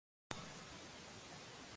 南アフリカの立法首都はケープタウンである